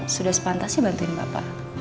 sudah sepantas sih bantuin bapak